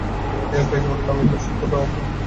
তিনি একটু হেসে বললেন, আমি তো সেই কথাই আপনাকে বলছিলুম।